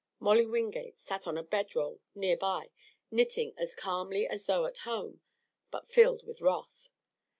Molly Wingate sat on a bed roll near by, knitting as calmly as though at home, but filled with wrath.